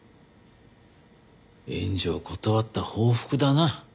援助を断った報復だな。